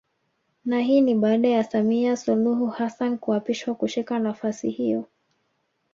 Na hii ni baada ya Samia Suluhu Hassan kuapishwa kushika nafasi hiyo